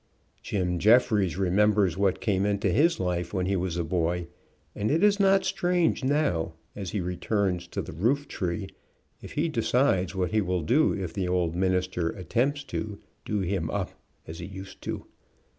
Jim Jeffries remembers what came into his life when he was a boy, and it is not strange now, as he returns to the roof tree, if he decides what he will do if the old minister attempts to, do him up as he used to.